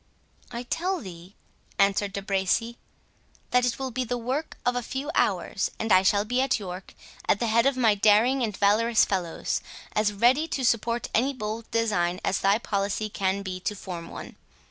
"I tell thee," answered De Bracy, "that it will be the work of a few hours, and I shall be at York—at the head of my daring and valorous fellows, as ready to support any bold design as thy policy can be to form one.